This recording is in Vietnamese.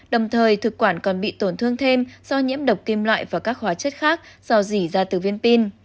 đồng thời thực quản còn bị tổn thương thêm do nhiễm độc kim loại và các hóa chất khác do dỉ ra từ viên pin